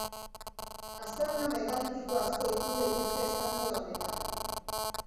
Aztarna megalitiko asko ikus daiteke Estazio honetan.